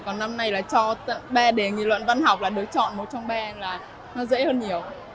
còn năm nay là cho ba đề nghị luận văn học là được chọn một trong ba là nó dễ hơn nhiều